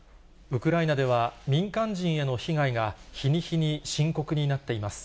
ウクライナでは、民間人への被害が日に日に深刻になっています。